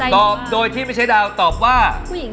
ตอบโดยที่ไม่ใช่ดาวตอบว่า